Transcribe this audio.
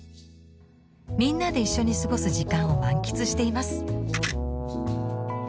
みんなで一緒に過ごす時間を満喫しています。